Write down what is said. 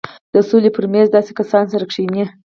د سولې پر مېز داسې کسان سره کښېني.